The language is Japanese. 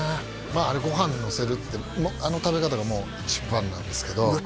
まああれご飯のせるってあの食べ方が一番なんですけどうわ